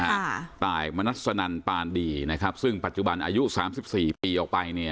ค่ะตายมณัสนันปานดีนะครับซึ่งปัจจุบันอายุสามสิบสี่ปีออกไปเนี่ย